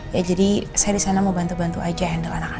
ya jadi saya disana mau bantu bantu aja handle anak anak gitu